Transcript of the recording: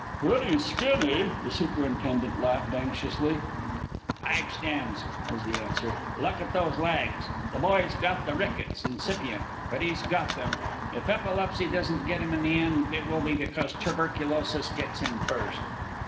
"Pretty skinny," the superintendent laughed anxiously. "Pipe stems," was the answer. "Look at those legs. The boy's got the rickets incipient, but he's got them. If epilepsy doesn't get him in the end, it will be because tuberculosis gets him first."